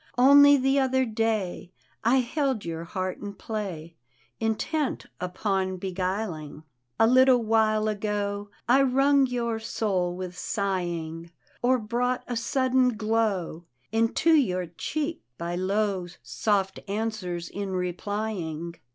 Only the other day I held your heart in play Intent upon beguiling. D,gt,, erihyGOOgle The Haunted Hour A little while ago I wrung your soul with sigjung Or brought a sudden glow Into your cheek by low Soft answen, in replying.